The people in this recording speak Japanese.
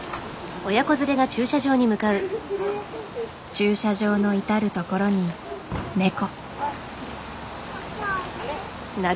駐車場の至る所にネコ。